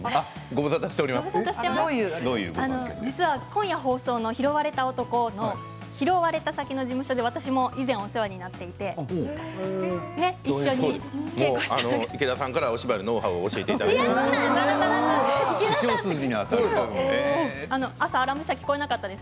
今夜、放送の「拾われた男」の拾われた先の事務所に私も以前お世話になっていて池田さんからお芝居のノウハウを教えてもらって。